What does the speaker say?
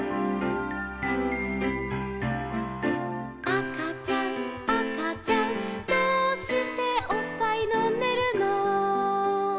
「あかちゃんあかちゃんどうしておっぱいのんでるの」